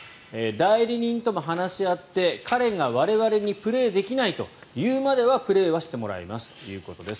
代理人とも話し合って彼が我々にプレーできないと言うまではプレーはしてもらいますということです。